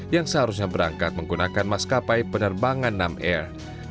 yang seharusnya berangkat menggunakan maskapai penerbangan nam air